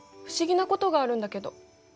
不思議なことがあるんだけど？